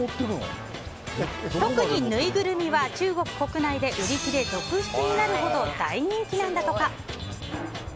特に、ぬいぐるみは中国国内で売り切れ続出になるほど大人気なんだとか。